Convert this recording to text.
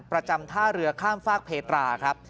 ประจำท่าเรือข้ามฝากเพตราครับ